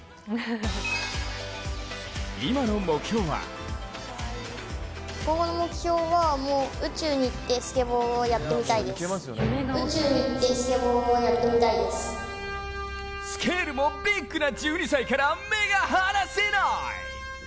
今の目標はスケールもビッグな１２歳から目が離せない！